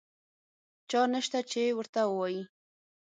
چا نشته چې ورته ووایي.